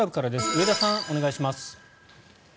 上田さん、お願いします。